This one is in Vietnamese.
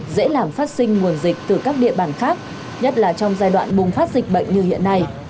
dễ làm phát sinh nguồn dịch từ các địa bàn khác nhất là trong giai đoạn bùng phát dịch bệnh như hiện nay